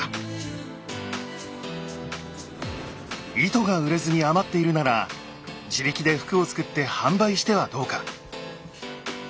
糸が売れずに余っているなら自力で服を作って販売してはどうか？